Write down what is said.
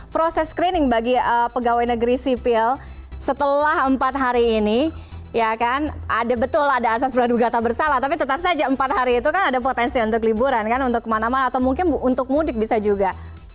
proses screening bagi pegawai negeri sipil setelah empat hari ini ya kan ada betul ada asas peraduga tak bersalah tapi tetap saja empat hari itu kan ada potensi untuk liburan kan untuk kemana mana atau mungkin untuk mudik bisa juga